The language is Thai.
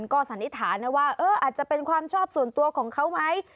ก็สันนิษฐานนะว่าอาจจะเป็นความชอบส่วนตัวของเขาไหม